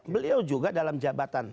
beliau juga dalam jabatan